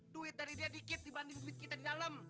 duit dari dia dikit dibanding duit kita di dalam